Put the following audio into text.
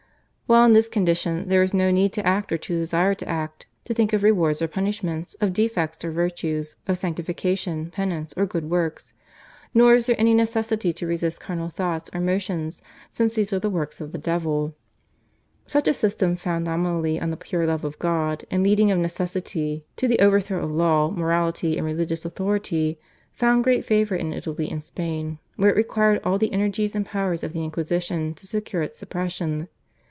While in this condition there is no need to act or to desire to act, to think of rewards or punishments, of defects or virtues, of sanctification, penance, or good works, nor is there any necessity to resist carnal thoughts or motions since these are the works of the devil. Such a system, founded nominally on the pure love of God, and leading of necessity to the overthrow of law, morality, and religious authority, found great favour in Italy and Spain, where it required all the energies and powers of the Inquisition to secure its suppression.